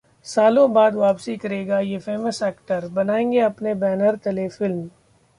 सालों बाद वापसी करेगा ये फेमस एक्टर, बनाएंगे अपने बैनर तले फिल्म